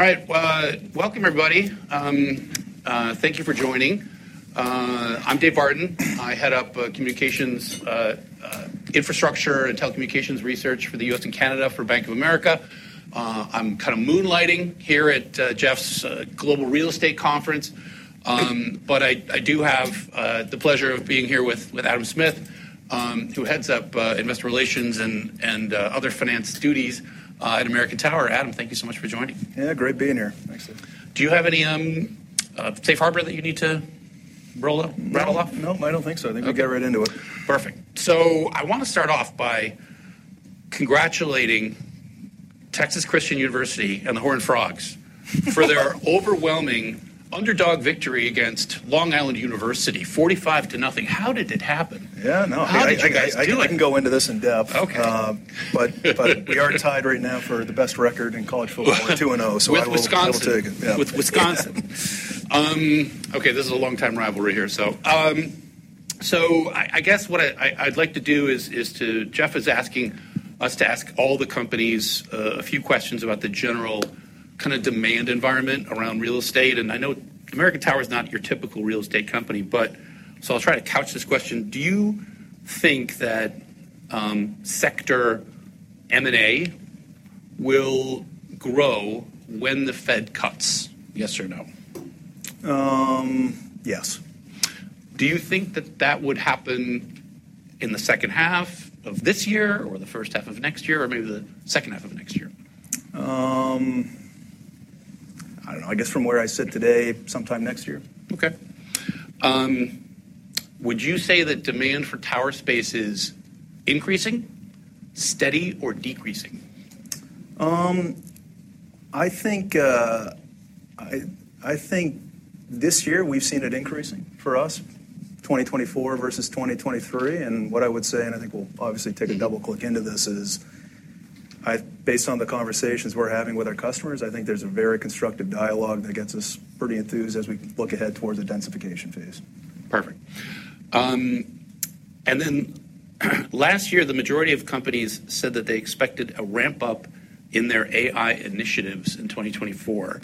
All right. Welcome, everybody. Thank you for joining. I'm David Barden. I head up communications, infrastructure and telecommunications research for the U.S. and Canada for Bank of America. I'm kind of moonlighting here at Jeff's Global Real Estate Conference, but I do have the pleasure of being here with Adam Smith, who heads up investor relations and other finance duties at American Tower. Adam, thank you so much for joining. Yeah, great being here. Thanks. Do you have any safe harbor that you need to rattle off? Nope, I don't think so. Okay. I think we'll get right into it. Perfect. So I want to start off by congratulating Texas Christian University and the Horned Frogs, for their overwhelming underdog victory against Long Island University, 45 to nothing. How did it happen? Yeah, no. How did you guys do it? I can go into this in depth. Okay. But, but we are tied right now for the best record in college football. We're two and oh, so I will- With Wisconsin. I will take it. Yeah. With Wisconsin. Okay, this is a long time rivalry here, so, So I guess what I'd like to do is to-- Jeff is asking us to ask all the companies, a few questions about the general kind of demand environment around real estate, and I know American Tower is not your typical real estate company, but so I'll try to couch this question: Do you think that sector M&A will grow when the Fed cuts, yes or no? Um, yes. Do you think that that would happen in the second half of this year, or the first half of next year, or maybe the second half of next year? I don't know. I guess from where I sit today, sometime next year. Okay. Would you say that demand for tower space is increasing, steady, or decreasing? I think this year we've seen it increasing for us, 2024 versus 2023. And what I would say, and I think we'll obviously take a double click into this, is based on the conversations we're having with our customers, I think there's a very constructive dialogue that gets us pretty enthused as we look ahead towards the densification phase. Perfect. And then last year, the majority of companies said that they expected a ramp-up in their AI initiatives in twenty twenty-four.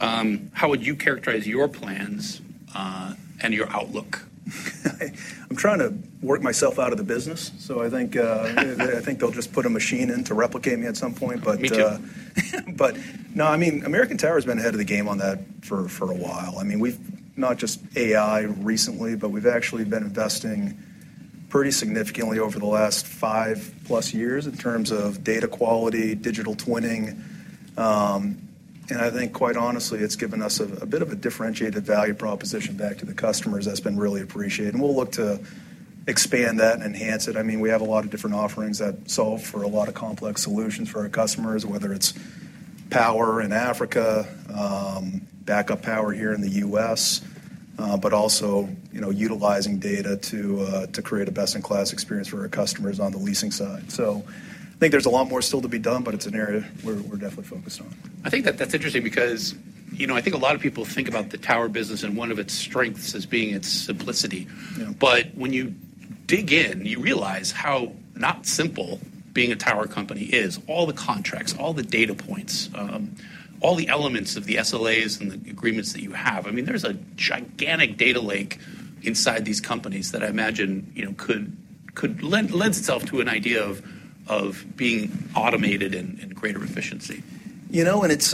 How would you characterize your plans, and your outlook? I'm trying to work myself out of the business, so I think they'll just put a machine in to replicate me at some point, but. Me too. But no, I mean, American Tower has been ahead of the game on that for a while. I mean, we've not just AI recently, but we've actually been investing pretty significantly over the last five-plus years in terms of data quality, digital twinning. And I think, quite honestly, it's given us a bit of a differentiated value proposition back to the customers that's been really appreciated, and we'll look to expand that and enhance it. I mean, we have a lot of different offerings that solve for a lot of complex solutions for our customers, whether it's power in Africa, backup power here in the U.S., but also, you know, utilizing data to create a best-in-class experience for our customers on the leasing side. So I think there's a lot more still to be done, but it's an area we're definitely focused on. I think that that's interesting because, you know, I think a lot of people think about the tower business and one of its strengths as being its simplicity. Yeah. But when you dig in, you realize how not simple being a tower company is. All the contracts, all the data points, all the elements of the SLAs and the agreements that you have. I mean, there's a gigantic data lake inside these companies that I imagine, you know, could lend, lends itself to an idea of being automated and greater efficiency. You know, and it's.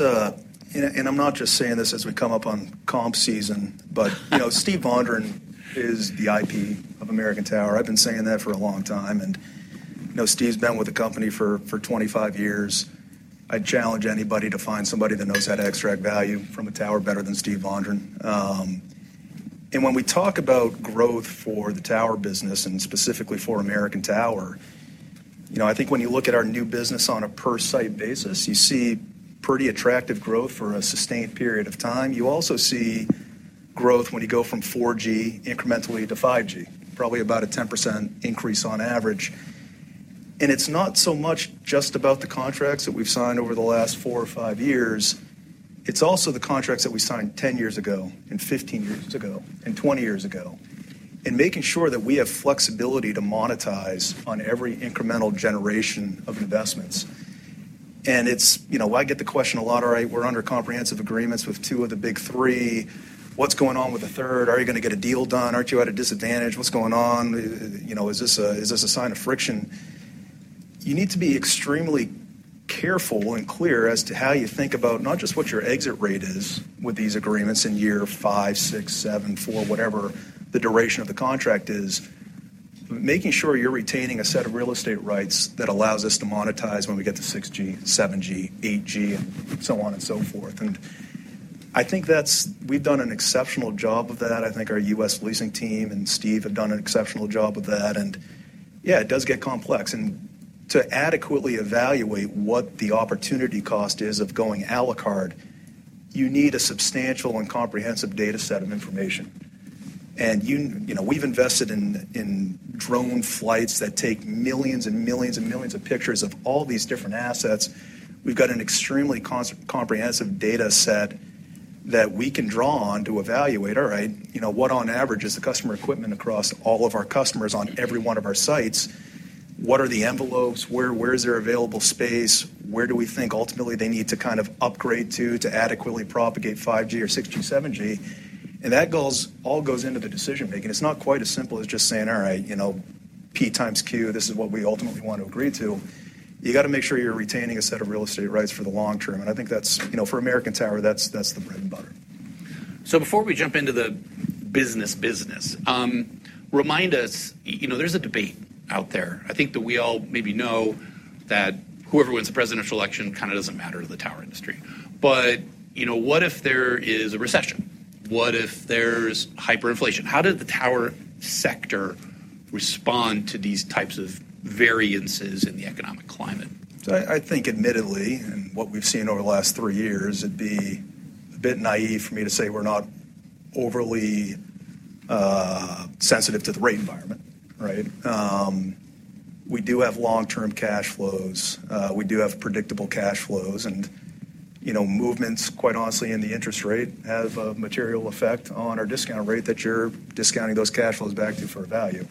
And I'm not just saying this as we come up on comp season, but, you know, Steven Vondran is the IP of American Tower. I've been saying that for a long time, and you know, Steven's been with the company for 25 years. I'd challenge anybody to find somebody that knows how to extract value from a tower better than Steven Vondran. And when we talk about growth for the tower business, and specifically for American Tower, you know, I think when you look at our new business on a per-site basis, you see pretty attractive growth for a sustained period of time. You also see growth when you go from 4G incrementally to 5G, probably about a 10% increase on average. It's not so much just about the contracts that we've signed over the last four or five years. It's also the contracts that we signed ten years ago, and fifteen years ago, and twenty years ago, and making sure that we have flexibility to monetize on every incremental generation of investments. It's... You know, I get the question a lot: "All right, we're under comprehensive agreements with two of the Big Three. What's going on with the third? Are you gonna get a deal done? Aren't you at a disadvantage? What's going on? You know, is this a sign of friction? You need to be extremely careful and clear as to how you think about not just what your exit rate is with these agreements in year five, six, seven, four, whatever the duration of the contract is, making sure you're retaining a set of real estate rights that allows us to monetize when we get to 6G, 7G, 8G, and so on and so forth. And I think that's. We've done an exceptional job of that. I think our US leasing team and Steve have done an exceptional job of that. And, yeah, it does get complex, and to adequately evaluate what the opportunity cost is of going a la carte, you need a substantial and comprehensive data set of information. You know, we've invested in drone flights that take millions and millions and millions of pictures of all these different assets. We've got an extremely comprehensive data set that we can draw on to evaluate, all right, you know, what on average is the customer equipment across all of our customers on every one of our sites? What are the envelopes? Where is there available space? Where do we think ultimately they need to kind of upgrade to adequately propagate 5G or 6G, 7G? That all goes into the decision-making. It's not quite as simple as just saying, "All right, you know, P times Q, this is what we ultimately want to agree to." You gotta make sure you're retaining a set of real estate rights for the long term, and I think that's, you know, for American Tower, that's, that's the bread and butter. So before we jump into the business, remind us, you know, there's a debate out there. I think that we all maybe know that whoever wins the presidential election kinda doesn't matter to the tower industry. But, you know, what if there is a recession? What if there's hyperinflation? How did the tower sector respond to these types of variances in the economic climate? So I think admittedly, and what we've seen over the last three years, it'd be a bit naive for me to say we're not overly sensitive to the rate environment, right? We do have long-term cash flows. We do have predictable cash flows, and you know, movements, quite honestly, in the interest rate have a material effect on our discount rate that you're discounting those cash flows back to for value.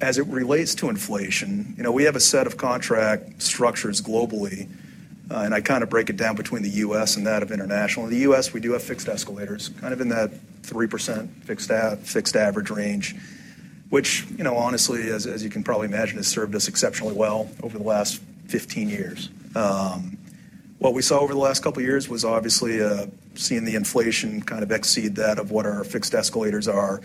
As it relates to inflation, you know, we have a set of contract structures globally, and I kind of break it down between the U.S. and that of international. In the U.S., we do have fixed escalators, kind of in that 3% fixed average range, which you know, honestly, as you can probably imagine, has served us exceptionally well over the last 15 years. What we saw over the last couple of years was obviously seeing the inflation kind of exceed that of what our fixed escalators are.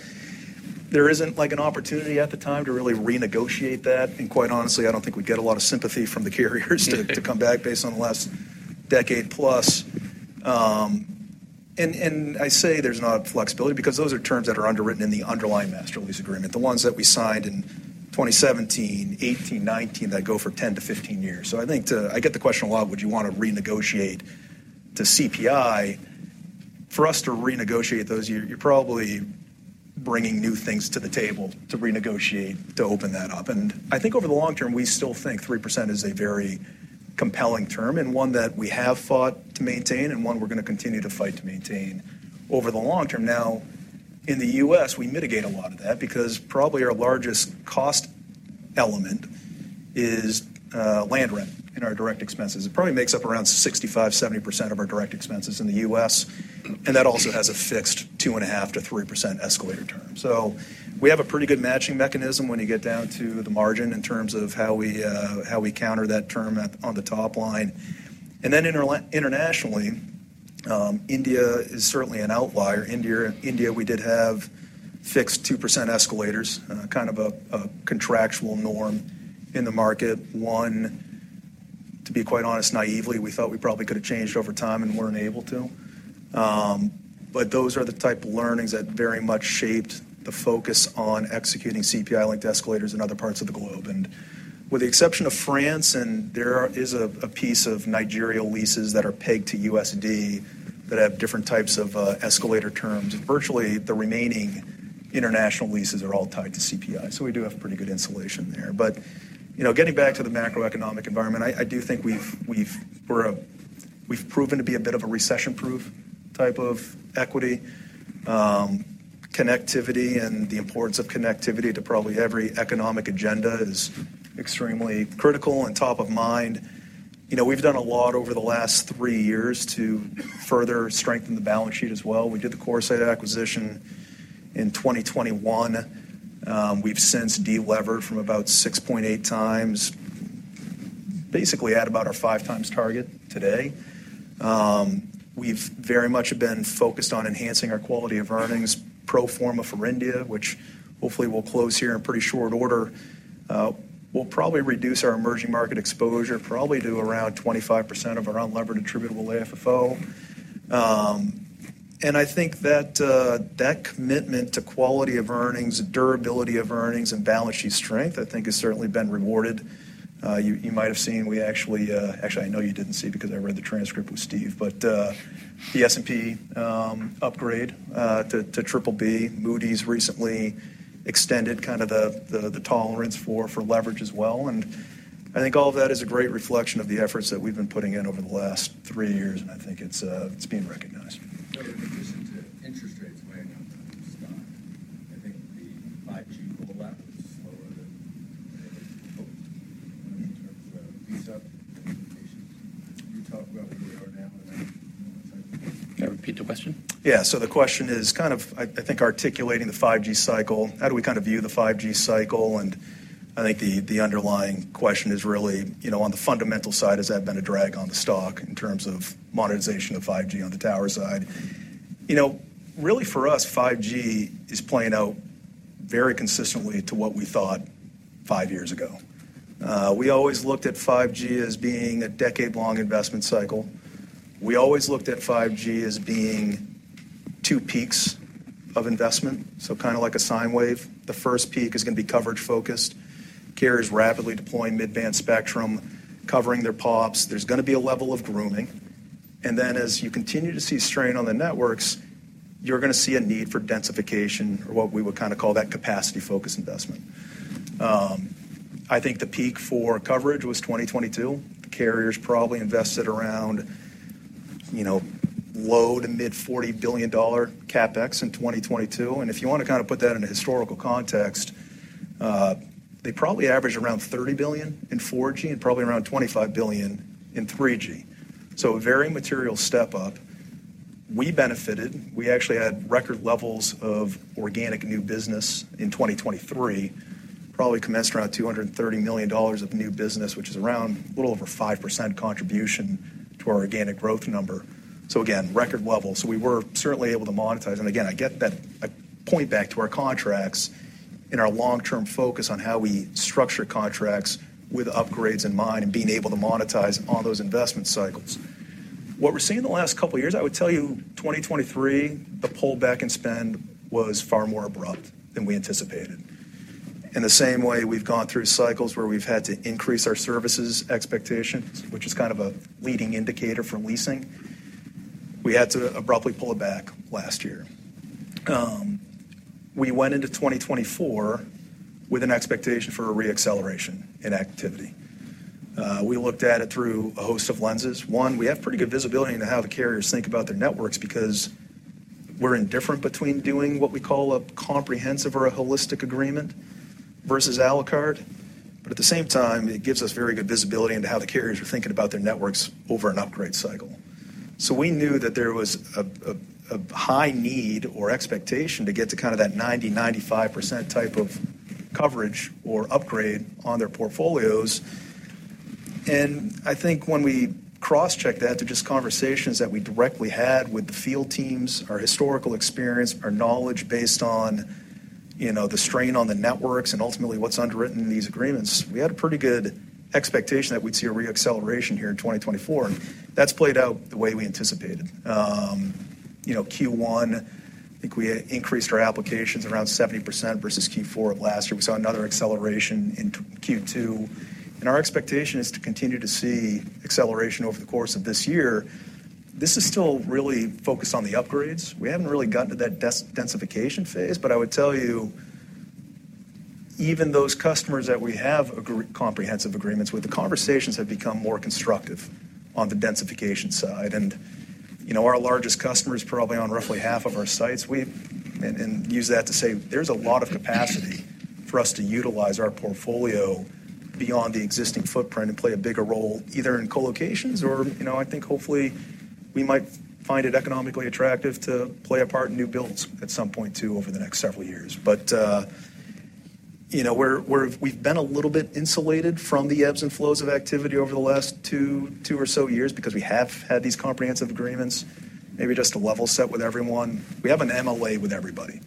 There isn't, like, an opportunity at the time to really renegotiate that, and quite honestly, I don't think we'd get a lot of sympathy from the carriers to come back based on the last decade plus. And I say there's not flexibility because those are terms that are underwritten in the underlying Master Lease Agreement, the ones that we signed in twenty seventeen, eighteen, nineteen, that go for 10 to 15 years. So I think I get the question a lot, would you want to renegotiate to CPI? For us to renegotiate those, you're probably bringing new things to the table to renegotiate, to open that up. And I think over the long term, we still think 3% is a very compelling term, and one that we have fought to maintain, and one we're gonna continue to fight to maintain over the long term. Now, in the U.S., we mitigate a lot of that because probably our largest cost element is land rent in our direct expenses. It probably makes up around 65%-70% of our direct expenses in the U.S., and that also has a fixed 2.5%-3% escalator term. So we have a pretty good matching mechanism when you get down to the margin in terms of how we, how we counter that term at, on the top line. And then internationally, India is certainly an outlier. India, we did have fixed 2% escalators, kind of a contractual norm in the market. To be quite honest, naively, we thought we probably could have changed over time and weren't able to. But those are the type of learnings that very much shaped the focus on executing CPI-linked escalators in other parts of the globe. And with the exception of France, and there is a piece of Nigeria leases that are pegged to USD, that have different types of escalator terms, virtually the remaining international leases are all tied to CPI. So we do have pretty good insulation there. But you know, getting back to the macroeconomic environment, I do think we've proven to be a bit of a recession-proof type of equity. Connectivity and the importance of connectivity to probably every economic agenda is extremely critical and top of mind. You know, we've done a lot over the last three years to further strengthen the balance sheet as well. We did the CoreSite acquisition in 2021. We've since delevered from about 6.8x, basically at about our 5x target today. We've very much been focused on enhancing our quality of earnings, pro forma for India, which hopefully will close here in pretty short order. We'll probably reduce our emerging market exposure, probably to around 25% of our unlevered attributable AFFO. And I think that that commitment to quality of earnings, durability of earnings, and balance sheet strength, I think, has certainly been rewarded. You might have seen, we actually... Actually, I know you didn't see because I read the transcript with Steve, but the S&P upgrade to BBB. Moody's recently extended the tolerance for leverage as well, and I think all of that is a great reflection of the efforts that we've been putting in over the last three years, and I think it's being recognized. But in addition to interest rates weighing on the stock, I think the 5G rollout was slower than hoped in terms of lease-up. Can you talk about where you are now and- Can you repeat the question? Yeah. So the question is kind of, I think, articulating the 5G cycle. How do we kind of view the 5G cycle? And I think the underlying question is really, you know, on the fundamental side, has that been a drag on the stock in terms of monetization of 5G on the tower side? You know, really, for us, 5G is playing out very consistently to what we thought five years ago. We always looked at 5G as being a decade-long investment cycle. We always looked at 5G as being two peaks of investment, so kind of like a sine wave. The first peak is gonna be coverage-focused. Carriers rapidly deploying mid-band spectrum, covering their POPs. There's gonna be a level of grooming, and then as you continue to see strain on the networks, you're gonna see a need for densification or what we would kind of call that capacity-focused investment. I think the peak for coverage was 2022. The carriers probably invested around, you know, low-to-mid $40 billion CapEx in 2022, and if you want to kind of put that in a historical context, they probably average around $30 billion in 4G and probably around $25 billion in 3G. So a very material step up. We benefited. We actually had record levels of organic new business in 2023, probably commenced around $230 million of new business, which is around a little over 5% contribution to our organic growth number. So again, record levels. So we were certainly able to monetize. And again, I get that. I point back to our contracts and our long-term focus on how we structure contracts with upgrades in mind and being able to monetize on those investment cycles. What we're seeing in the last couple of years, I would tell you, twenty twenty-three, the pullback in spend was far more abrupt than we anticipated. In the same way, we've gone through cycles where we've had to increase our services expectations, which is kind of a leading indicator for leasing. We had to abruptly pull it back last year. We went into twenty twenty-four with an expectation for a re-acceleration in activity. We looked at it through a host of lenses. One, we have pretty good visibility into how the carriers think about their networks because we're indifferent between doing what we call a comprehensive or a holistic agreement versus a la carte. But at the same time, it gives us very good visibility into how the carriers are thinking about their networks over an upgrade cycle. So we knew that there was a high need or expectation to get to kind of that 90-95% type of coverage or upgrade on their portfolios. And I think when we cross-checked that to just conversations that we directly had with the field teams, our historical experience, our knowledge based on, you know, the strain on the networks and ultimately what's underwritten in these agreements, we had a pretty good expectation that we'd see a re-acceleration here in 2024. That's played out the way we anticipated. You know, Q1, I think we increased our applications around 70% versus Q4 of last year. We saw another acceleration in Q2, and our expectation is to continue to see acceleration over the course of this year. This is still really focused on the upgrades. We haven't really gotten to that densification phase, but I would tell you, even those customers that we have comprehensive agreements with, the conversations have become more constructive on the densification side, and, you know, our largest customer is probably on roughly half of our sites, and use that to say there's a lot of capacity for us to utilize our portfolio beyond the existing footprint and play a bigger role, either in co-locations or, you know, I think hopefully we might find it economically attractive to play a part in new builds at some point, too, over the next several years. But, you know, we're we've been a little bit insulated from the ebbs and flows of activity over the last two or so years because we have had these comprehensive agreements. Maybe just to level set with everyone, we have an MLA with everybody.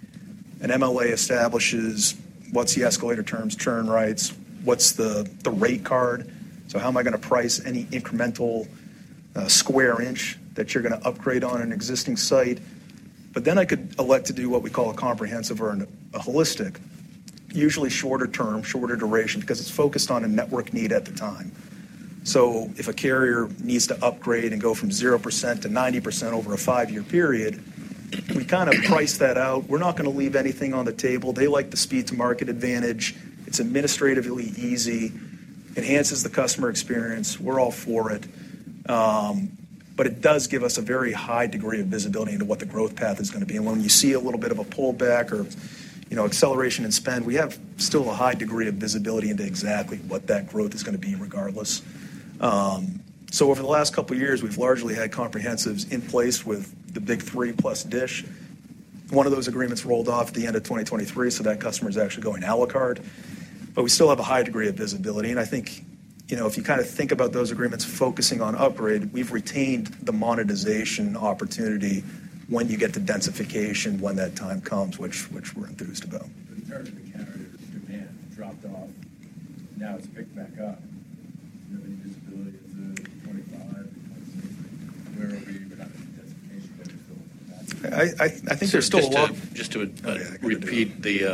An MLA establishes what's the escalator terms, churn rights, what's the rate card. So how am I going to price any incremental square inch that you're going to upgrade on an existing site? But then I could elect to do what we call a comprehensive or a holistic, usually shorter term, shorter duration, because it's focused on a network need at the time. So if a carrier needs to upgrade and go from 0% to 90% over a five-year period, we kind of price that out. We're not going to leave anything on the table. They like the speed to market advantage. It's administratively easy, enhances the customer experience. We're all for it, but it does give us a very high degree of visibility into what the growth path is going to be, and when you see a little bit of a pullback or, you know, acceleration in spend, we have still a high degree of visibility into exactly what that growth is going to be, regardless, so over the last couple of years, we've largely had comprehensives in place with the big three plus Dish. One of those agreements rolled off at the end of 2023, so that customer is actually going a la carte, but we still have a high degree of visibility. I think, you know, if you kind of think about those agreements focusing on upgrade, we've retained the monetization opportunity when you get to densification, when that time comes, which we're enthused about. In terms of the carrier demand dropped off, now it's picked back up. Do you have any visibility into 2025? Where are we even having densification? I think there's still a lot- Just to repeat,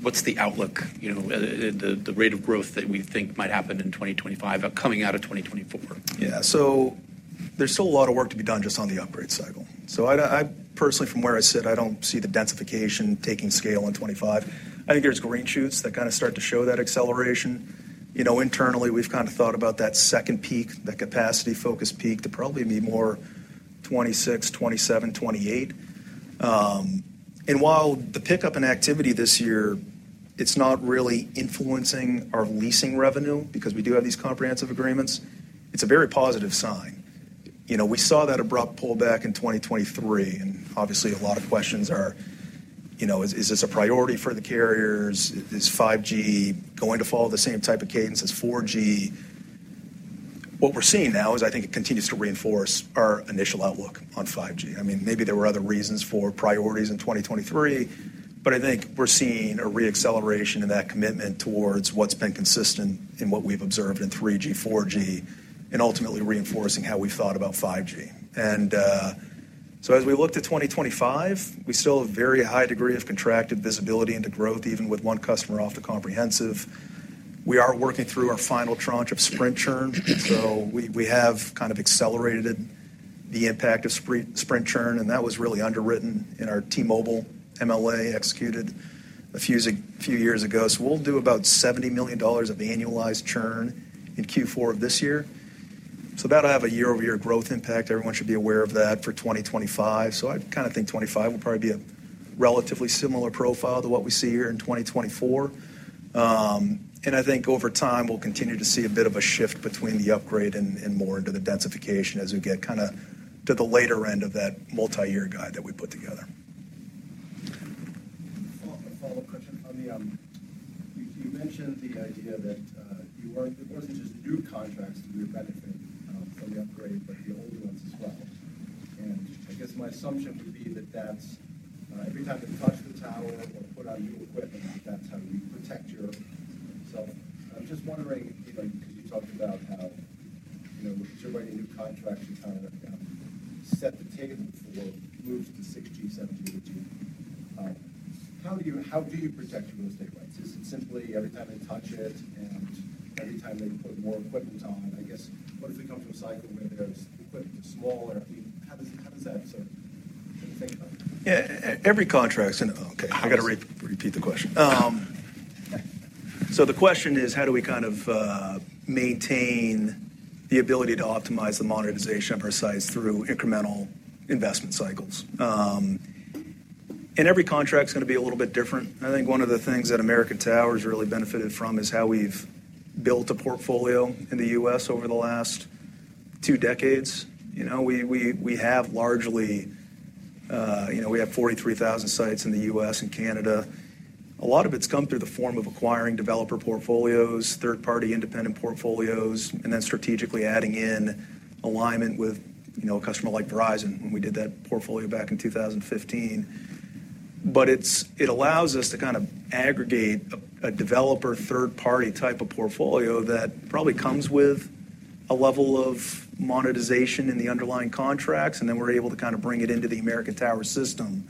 what's the outlook, you know, the rate of growth that we think might happen in twenty twenty-five coming out of twenty twenty-four? Yeah. So there's still a lot of work to be done just on the upgrade cycle. So I personally, from where I sit, I don't see the densification taking scale in 2025. I think there's green shoots that kind of start to show that acceleration. You know, internally, we've kind of thought about that second peak, that capacity focus peak, to probably be more 2026, 2027, 2028. And while the pickup in activity this year, it's not really influencing our leasing revenue because we do have these comprehensive agreements, it's a very positive sign. You know, we saw that abrupt pullback in 2023, and obviously, a lot of questions are, you know, is this a priority for the carriers? Is 5G going to follow the same type of cadence as 4G? What we're seeing now is, I think it continues to reinforce our initial outlook on 5G. I mean, maybe there were other reasons for priorities in 2023, but I think we're seeing a re-acceleration in that commitment towards what's been consistent in what we've observed in 3G, 4G, and ultimately reinforcing how we thought about 5G, and so as we look to 2025, we still have a very high degree of contracted visibility into growth, even with one customer off the comprehensive. We are working through our final tranche of Sprint churn, so we have kind of accelerated the impact of Sprint churn, and that was really underwritten in our T-Mobile MLA, executed a few years ago, so we'll do about $70 million of annualized churn in Q4 of this year. So that'll have a year-over-year growth impact. Everyone should be aware of that for twenty twenty-five. So I kinda think twenty twenty-five will probably be a relatively similar profile to what we see here in twenty twenty-four. And I think over time, we'll continue to see a bit of a shift between the upgrade and more into the densification as we get kinda to the later end of that multi-year guide that we put together. A follow-up question on the... You, you mentioned the idea that you weren't-- it wasn't just new contracts to your benefit from the upgrade, but the older ones as well. And I guess my assumption would be that that's every time they touch the tower or put on new equipment, that's how you protect your... So I'm just wondering, like, because you talked about how, you know, as you're writing new contracts, you kind of set the table for moves to 6G, 7G. How do you-- how do you protect your real estate rights? Is it simply every time they touch it and every time they put more equipment on? I guess, what if we come to a cycle where there's equipment is smaller? I mean, how does, how does that sort of think about it? Okay, I got to repeat the question. So the question is, how do we kind of maintain the ability to optimize the monetization of our sites through incremental investment cycles? And every contract's gonna be a little bit different. I think one of the things that American Tower really benefited from is how we've built a portfolio in the U.S. over the last two decades. You know, we have largely you know, we have forty-three thousand sites in the U.S. and Canada. A lot of it's come through the form of acquiring developer portfolios, third-party independent portfolios, and then strategically adding in alignment with, you know, a customer like Verizon, when we did that portfolio back in two thousand and fifteen. But it allows us to kind of aggregate a developer, third-party type of portfolio that probably comes with a level of monetization in the underlying contracts, and then we're able to kinda bring it into the American Tower system,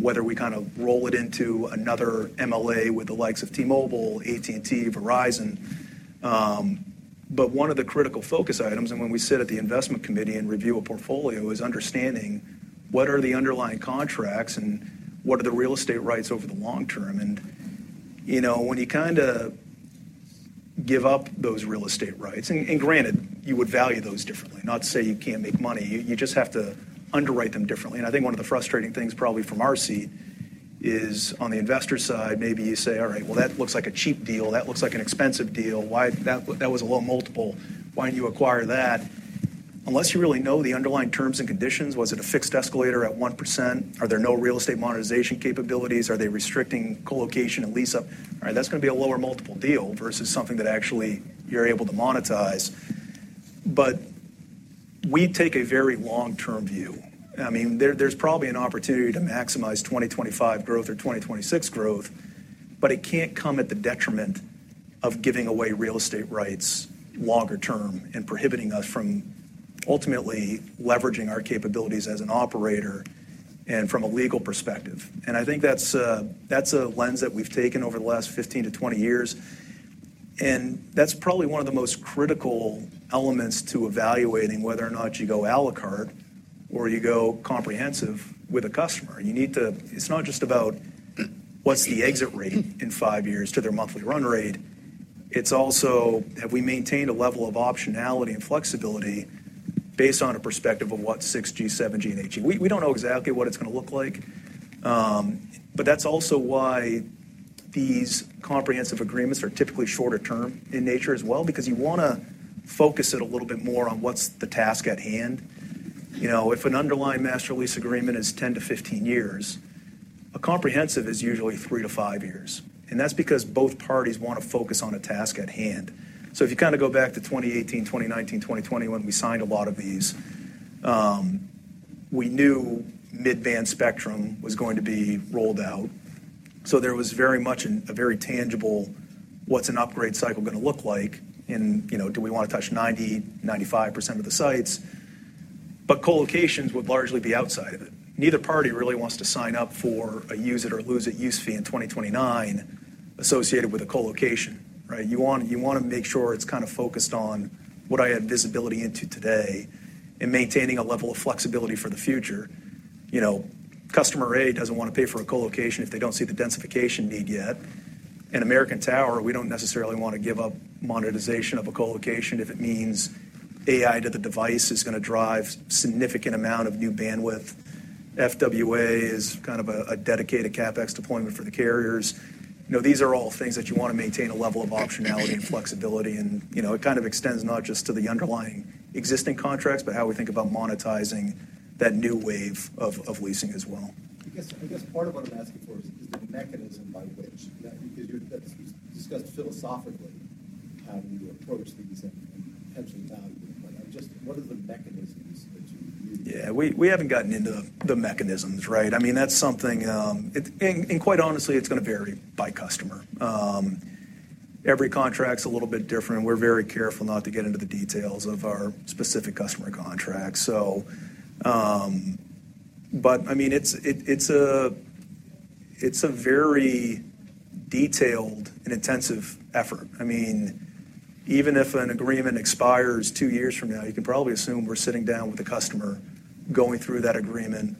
whether we kinda roll it into another MLA with the likes of T-Mobile, AT&T, Verizon. But one of the critical focus items, and when we sit at the investment committee and review a portfolio, is understanding what are the underlying contracts and what are the real estate rights over the long term, and you know, when you kinda give up those real estate rights, and granted, you would value those differently. Not to say you can't make money, you just have to underwrite them differently. I think one of the frustrating things, probably from our seat, is on the investor side, maybe you say, "All right, well, that looks like a cheap deal. That looks like an expensive deal. Why - that was a low multiple. Why didn't you acquire that?" Unless you really know the underlying terms and conditions, was it a fixed escalator at 1%? Are there no real estate monetization capabilities? Are they restricting co-location and lease-up? All right, that's gonna be a lower multiple deal versus something that actually you're able to monetize. But we take a very long-term view. I mean, there's probably an opportunity to maximize 2025 growth or 2026 growth, but it can't come at the detriment of giving away real estate rights longer term and prohibiting us from ultimately leveraging our capabilities as an operator and from a legal perspective. I think that's a lens that we've taken over the last 15 to 20 years, and that's probably one of the most critical elements to evaluating whether or not you go à la carte or you go comprehensive with a customer. You need to. It's not just about what's the exit rate in 5 years to their monthly run rate, it's also, have we maintained a level of optionality and flexibility based on a perspective of what 6G, 7G, and 8G? We don't know exactly what it's gonna look like, but that's also why these comprehensive agreements are typically shorter term in nature as well, because you wanna focus it a little bit more on what's the task at hand. You know, if an underlying master lease agreement is 10-15 years, a comprehensive is usually 3-5 years, and that's because both parties want to focus on the task at hand. So if you kinda go back to twenty eighteen, twenty nineteen, twenty twenty, when we signed a lot of these, we knew mid-band spectrum was going to be rolled out, so there was very much a very tangible, what's an upgrade cycle gonna look like, and, you know, do we wanna touch 90%-95% of the sites? But co-locations would largely be outside of it. Neither party really wants to sign up for a use it or lose it use fee in twenty twenty-nine associated with a co-location, right? You want, you wanna make sure it's kind of focused on what I have visibility into today and maintaining a level of flexibility for the future. You know, customer A doesn't want to pay for a co-location if they don't see the densification need yet. In American Tower, we don't necessarily want to give up monetization of a co-location if it means AI to the device is gonna drive significant amount of new bandwidth. FWA is kind of a dedicated CapEx deployment for the carriers. You know, these are all things that you want to maintain a level of optionality and flexibility, and, you know, it kind of extends not just to the underlying existing contracts, but how we think about monetizing that new wave of, of leasing as well. I guess part of what I'm asking for is the mechanism by which... discussed philosophically, how do you approach these and potentially value them? But just what are the mechanisms that you use? Yeah, we haven't gotten into the mechanisms, right? I mean, that's something and quite honestly, it's gonna vary by customer. Every contract's a little bit different. We're very careful not to get into the details of our specific customer contracts, so. But I mean, it's a very detailed and intensive effort. I mean, even if an agreement expires two years from now, you can probably assume we're sitting down with the customer, going through that agreement.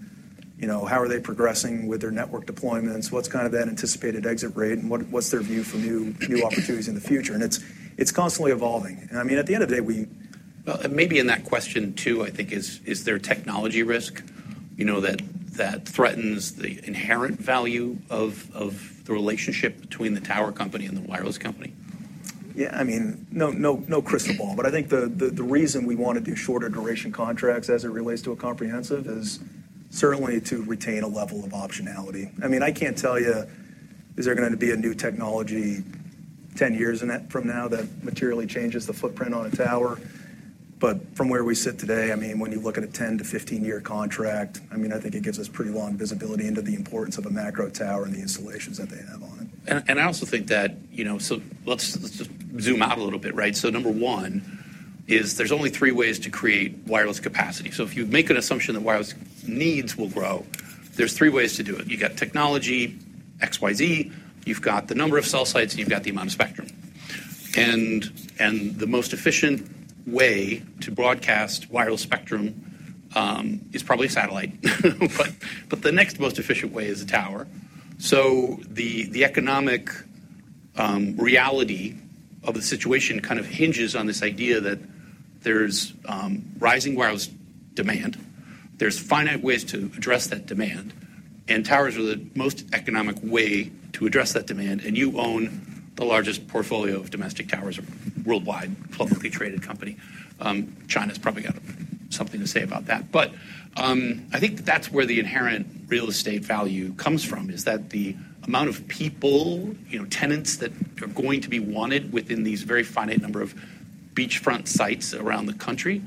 You know, how are they progressing with their network deployments? What's kind of that anticipated exit rate, and what's their view for new opportunities in the future? And it's constantly evolving. And, I mean, at the end of the day, we- Maybe in that question, too, I think, is there technology risk, you know, that threatens the inherent value of the relationship between the tower company and the wireless company? Yeah, I mean, no, no, no crystal ball. But I think the reason we wanna do shorter duration contracts as it relates to a comprehensive is certainly to retain a level of optionality. I mean, I can't tell you, is there gonna be a new technology 10 years from now that materially changes the footprint on a tower? But from where we sit today, I mean, when you look at a 10- to 15-year contract, I mean, I think it gives us pretty long visibility into the importance of a macro tower and the installations that they have on it. I also think that, you know. Let's just zoom out a little bit, right. Number one is there's only three ways to create wireless capacity. If you make an assumption that wireless needs will grow, there's three ways to do it. You've got technology XYZ, you've got the number of cell sites, and you've got the amount of spectrum. The most efficient way to broadcast wireless spectrum is probably a satellite, but the next most efficient way is a tower. The economic reality of the situation kind of hinges on this idea that there's rising wireless demand, there's finite ways to address that demand, and towers are the most economic way to address that demand. You own the largest portfolio of domestic towers, a worldwide, publicly traded company. China's probably got something to say about that. But, I think that's where the inherent real estate value comes from, is that the amount of people, you know, tenants that are going to be wanted within these very finite number of beachfront sites around the country,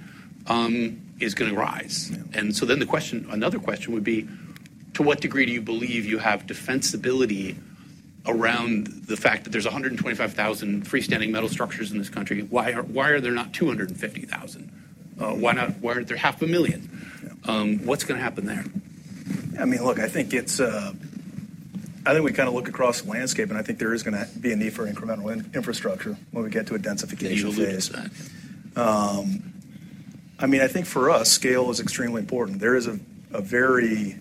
is gonna rise. Yeah. And so then the question, another question would be: To what degree do you believe you have defensibility around the fact that there's 125,000 freestanding metal structures in this country? Why are there not 250,000? Why not? Why aren't there 500,000? Yeah. What's gonna happen there? I mean, look, I think it's. I think we kinda look across the landscape, and I think there is gonna be a need for incremental infrastructure when we get to a densification phase. You believe that? I mean, I think for us, scale is extremely important. There is a very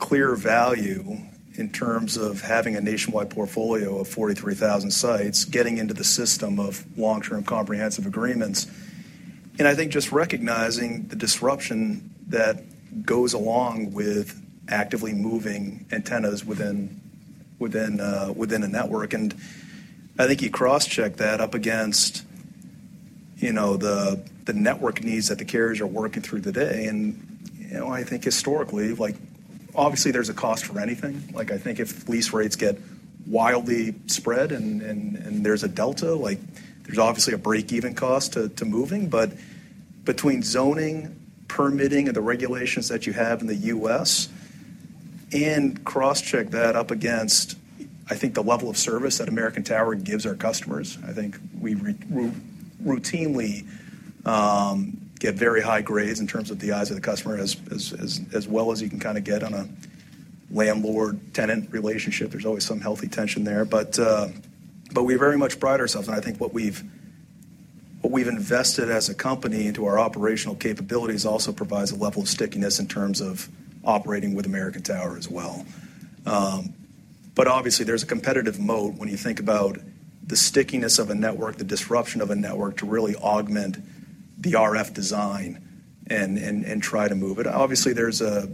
clear value in terms of having a nationwide portfolio of 43,000 sites, getting into the system of long-term comprehensive agreements, and I think just recognizing the disruption that goes along with actively moving antennas within a network. And I think you cross-check that up against, you know, the network needs that the carriers are working through today. And, you know, I think historically, like, obviously, there's a cost for anything. Like, I think if lease rates get wildly spread and there's a delta, like, there's obviously a break-even cost to moving. But between zoning, permitting, and the regulations that you have in the U.S., and cross-check that up against, I think, the level of service that American Tower gives our customers, I think we routinely get very high grades in terms of the eyes of the customer, as well as you can kinda get on a landlord-tenant relationship. There's always some healthy tension there. But we very much pride ourselves, and I think what we've invested as a company into our operational capabilities also provides a level of stickiness in terms of operating with American Tower as well. But obviously, there's a competitive moat when you think about the stickiness of a network, the disruption of a network, to really augment the RF design and try to move it. Obviously, there's a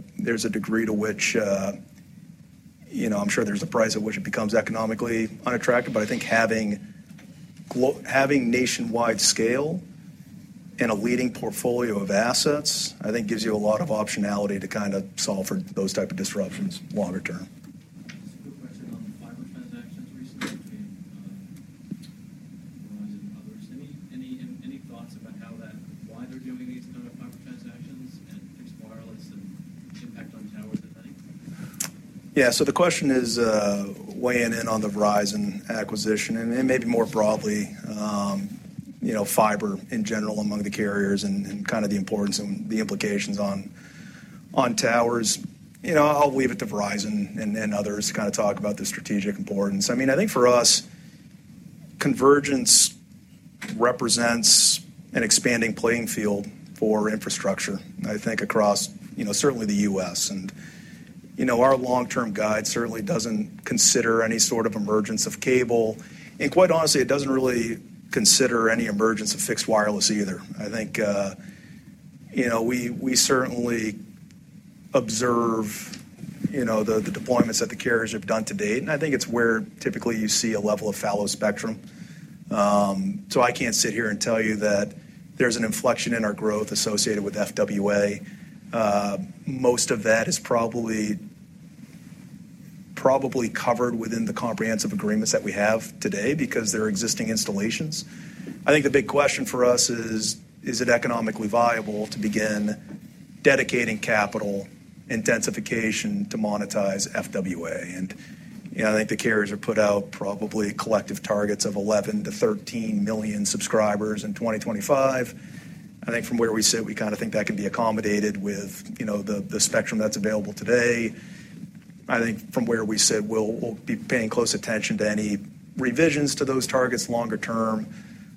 degree to which, you know, I'm sure there's a price at which it becomes economically unattractive, but I think having nationwide scale and a leading portfolio of assets, I think gives you a lot of optionality to kinda solve for those type of disruptions longer term. Just a quick question on the fiber transactions recently between Verizon and others. Any thoughts about how that, why they're doing these kind of fiber transactions and fixed wireless and impact on towers, I think? Yeah. So the question is, weighing in on the Verizon acquisition, and maybe more broadly, you know, fiber in general among the carriers and kind of the importance and the implications on towers. You know, I'll leave it to Verizon and others to kinda talk about the strategic importance. I mean, I think for us, convergence represents an expanding playing field for infrastructure, I think, across, you know, certainly the U.S. You know, our long-term guide certainly doesn't consider any sort of emergence of cable, and quite honestly, it doesn't really consider any emergence of fixed wireless either. I think, you know, we certainly observe, you know, the deployments that the carriers have done to date, and I think it's where typically you see a level of fallow spectrum. So I can't sit here and tell you that there's an inflection in our growth associated with FWA. Most of that is probably covered within the comprehensive agreements that we have today because they're existing installations. I think the big question for us is: Is it economically viable to begin dedicating capital intensification to monetize FWA? You know, I think the carriers have put out probably collective targets of 11 million-13 million subscribers in 2025. I think from where we sit, we kind of think that can be accommodated with, you know, the spectrum that's available today. I think from where we sit, we'll be paying close attention to any revisions to those targets longer term.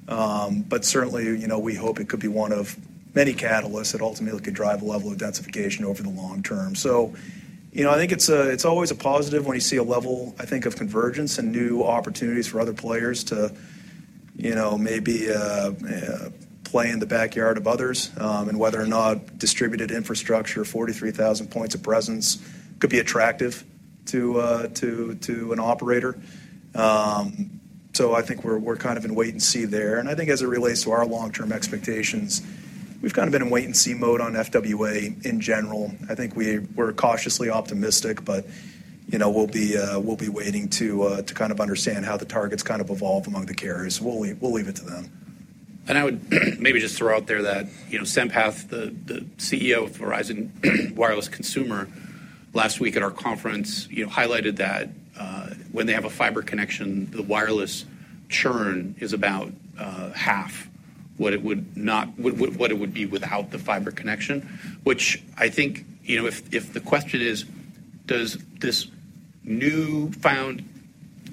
But certainly, you know, we hope it could be one of many catalysts that ultimately could drive a level of densification over the long term. You know, I think it's always a positive when you see a level, I think, of convergence and new opportunities for other players to, you know, maybe play in the backyard of others, and whether or not distributed infrastructure, 43,000 points of presence could be attractive to an operator. I think we're kind of in wait and see there. I think as it relates to our long-term expectations, we've kind of been in wait-and-see mode on FWA in general. I think we're cautiously optimistic, but, you know, we'll be waiting to kind of understand how the targets kind of evolve among the carriers. We'll leave it to them. I would maybe just throw out there that, you know, Sampath, the CEO of Verizon Wireless Consumer, last week at our conference, you know, highlighted that, when they have a fiber connection, the wireless churn is about half what it would be without the fiber connection. Which I think, you know, if the question is: Does this newfound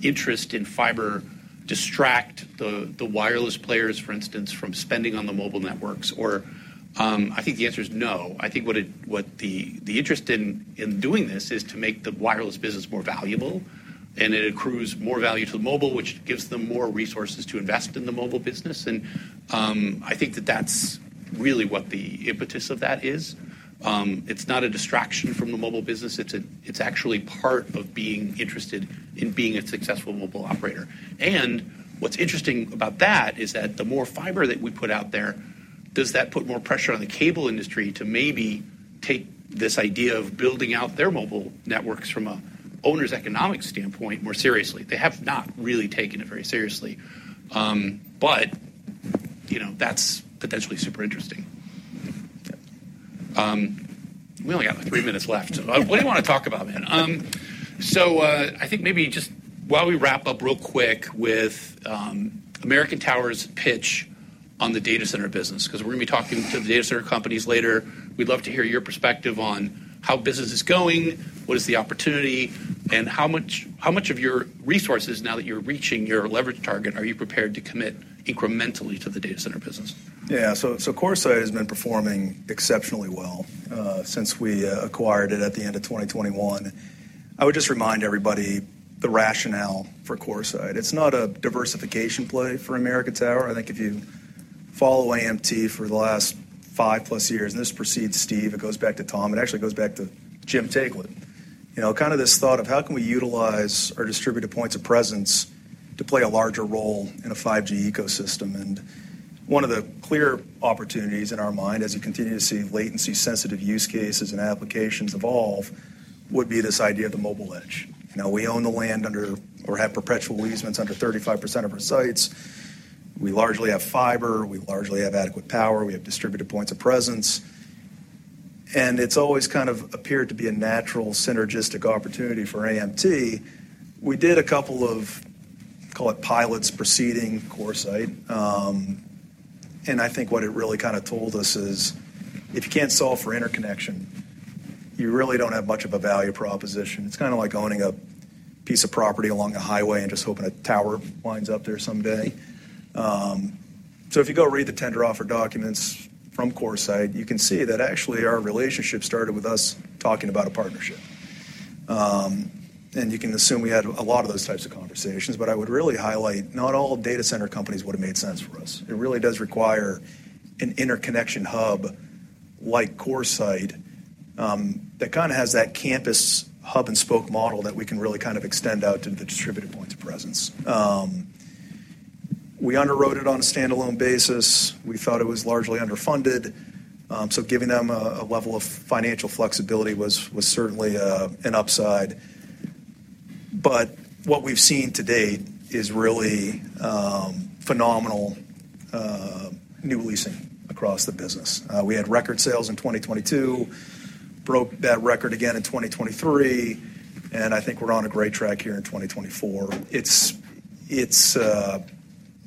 interest in fiber distract the wireless players, for instance, from spending on the mobile networks? Or, I think the answer is no. I think what the interest in doing this is to make the wireless business more valuable, and it accrues more value to the mobile, which gives them more resources to invest in the mobile business. I think that that's really what the impetus of that is. It's not a distraction from the mobile business. It's actually part of being interested in being a successful mobile operator. And what's interesting about that is that the more fiber that we put out there, does that put more pressure on the cable industry to maybe take this idea of building out their mobile networks from an owner's economic standpoint more seriously? They have not really taken it very seriously, but you know, that's potentially super interesting. We only got, like, three minutes left. What do you want to talk about, man? So I think maybe just while we wrap up real quick with American Tower's pitch on the data center business, because we're going to be talking to the data center companies later. We'd love to hear your perspective on how business is going, what is the opportunity, and how much, how much of your resources, now that you're reaching your leverage target, are you prepared to commit incrementally to the data center business? Yeah. So, so CoreSite has been performing exceptionally well since we acquired it at the end of 2021. I would just remind everybody the rationale for CoreSite. It's not a diversification play for American Tower. I think if you follow AMT for the last five-plus years, and this precedes Steve, it goes back to Tom, it actually goes back to Jim Taiclet, you know, kind of this thought of: How can we utilize our distributed points of presence to play a larger role in a 5G ecosystem? And one of the clear opportunities in our mind, as you continue to see latency-sensitive use cases and applications evolve, would be this idea of the mobile edge. You know, we own the land under or have perpetual easements under 35% of our sites. We largely have fiber, we largely have adequate power, we have distributed points of presence, and it's always kind of appeared to be a natural synergistic opportunity for AMT. We did a couple of, call it, pilots preceding CoreSite, and I think what it really kind of told us is, if you can't solve for interconnection, you really don't have much of a value proposition. It's kind of like owning a piece of property along a highway and just hoping a tower winds up there someday, so if you go read the tender offer documents from CoreSite, you can see that actually our relationship started with us talking about a partnership, and you can assume we had a lot of those types of conversations, but I would really highlight, not all data center companies would have made sense for us. It really does require an interconnection hub like CoreSite, that kind of has that campus hub-and-spoke model that we can really kind of extend out to the distributed points of presence. We underwrote it on a standalone basis. We thought it was largely underfunded, so giving them a level of financial flexibility was certainly an upside, but what we've seen to date is really phenomenal new leasing across the business. We had record sales in 2022, broke that record again in 2023, and I think we're on a great track here in 2024. It's,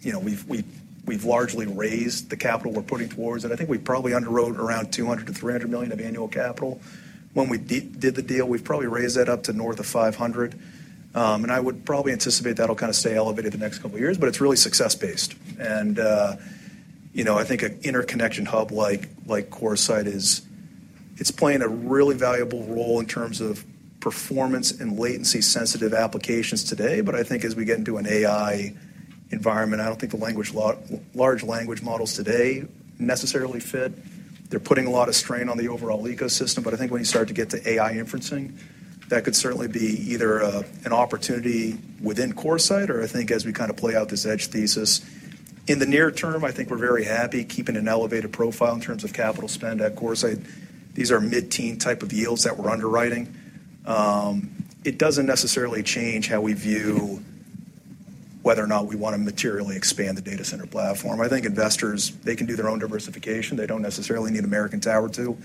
you know, we've largely raised the capital we're putting towards it. I think we probably underwrote around $200 million-$300 million of annual capital. When we did the deal, we've probably raised that up to north of five hundred, and I would probably anticipate that'll kind of stay elevated the next couple of years, but it's really success based, and you know, I think an interconnection hub like CoreSite is playing a really valuable role in terms of performance and latency-sensitive applications today, but I think as we get into an AI environment, I don't think the large language models today necessarily fit. They're putting a lot of strain on the overall ecosystem, but I think when you start to get to AI inferencing, that could certainly be either an opportunity within CoreSite or I think as we kind of play out this edge thesis. In the near term, I think we're very happy keeping an elevated profile in terms of capital spend at CoreSite. These are mid-teen type of yields that we're underwriting. It doesn't necessarily change how we view whether or not we want to materially expand the data center platform. I think investors, they can do their own diversification. They don't necessarily need American Tower to.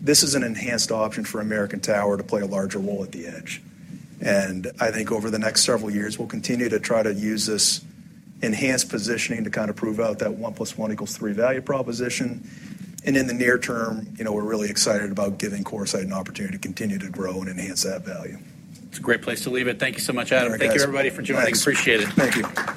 This is an enhanced option for American Tower to play a larger role at the edge, and I think over the next several years, we'll continue to try to use this enhanced positioning to kind of prove out that one plus one equals three value proposition, and in the near term, you know, we're really excited about giving CoreSite an opportunity to continue to grow and enhance that value. It's a great place to leave it. Thank you so much, Adam. Thank you, guys. Thank you, everybody, for joining. Thanks. Appreciate it. Thank you.